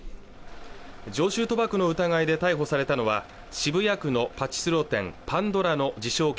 常習賭博の疑いで逮捕されたのは渋谷区のパチスロ店パンドラの自称